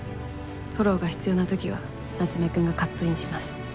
フォローが必要な時は夏目くんがカットインします。